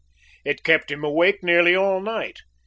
It kept him awake nearly all night.